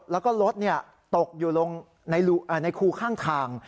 แล้วก็รถตกอยู่ในคูข้างทาง